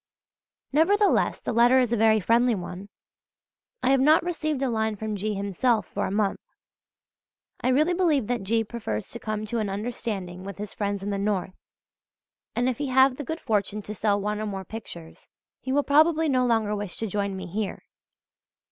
Nevertheless the letter is a very friendly one. I have not received a line from G. himself for a month. I really believe that G. prefers to come to an understanding with his friends in the North, and if he have the good fortune to sell one or more pictures, he will probably no longer wish to join me here.